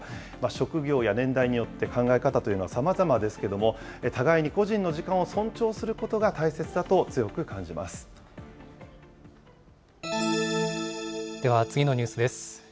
職業や年代によって、考え方というのはさまざまですけれども、互いに個人の時間を尊重することがでは、次のニュースです。